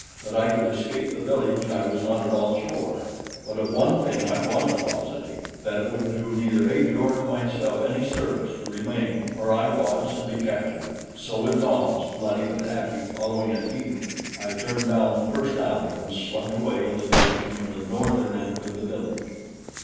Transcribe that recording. That I could escape the village I was not at all sure; but of one thing I was positive; that it would do neither Ajor nor myself any service to remain where I was and be captured; so with Nobs, bloody but happy, following at heel, I turned down the first alley and slunk away in the direction of the northern end of the village.